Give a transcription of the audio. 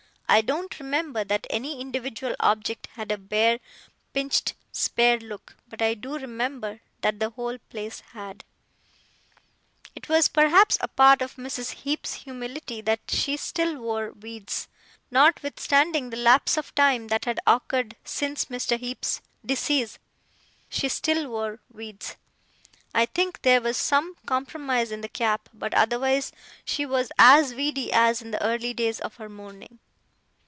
I don't remember that any individual object had a bare, pinched, spare look; but I do remember that the whole place had. It was perhaps a part of Mrs. Heep's humility, that she still wore weeds. Notwithstanding the lapse of time that had occurred since Mr. Heep's decease, she still wore weeds. I think there was some compromise in the cap; but otherwise she was as weedy as in the early days of her mourning.